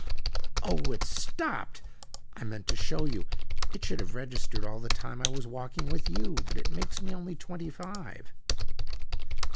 "Oh, it's stopped! I meant to show you. It should have registered all the time I was walking with you. But it makes me only twenty five."